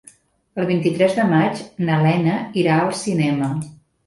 El vint-i-tres de maig na Lena irà al cinema.